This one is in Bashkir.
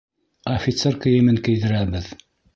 Офицер кейемен кейҙерәбеҙ.